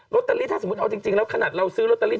ตเตอรี่ถ้าสมมุติเอาจริงแล้วขนาดเราซื้อลอตเตอรี่